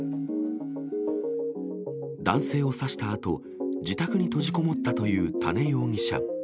男性を刺したあと、自宅に閉じこもったという多禰容疑者。